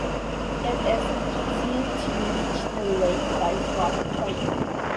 It is easier to reach the lake by float plane.